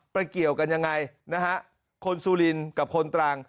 เกี่ยวกันยังไงนะฮะคนสุรินกับคนตรัง